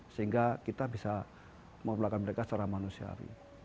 sehingga kita bisa memperlakukan mereka secara manusiawi